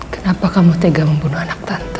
kenapa kamu tega membunuh anak tante